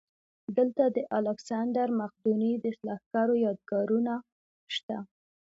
دلته د الکسندر مقدوني د لښکرو یادګارونه شته